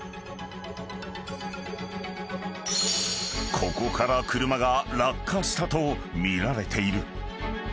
［ここから車が落下したとみられている］